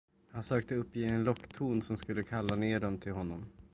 Han sökte uppge en lockton som skulle kalla ner dem till honom.